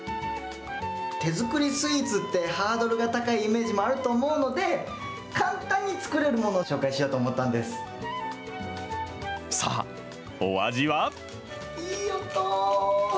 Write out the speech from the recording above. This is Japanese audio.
手作りスイーツって、ハードルが高いイメージがあると思うので、簡単に作れるものを紹さあ、お味は？いい音。